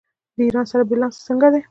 د ایران سره بیلانس څنګه دی؟